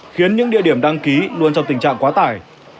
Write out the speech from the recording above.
khiến những địa điểm đăng ký luôn trong tình trạng quá tải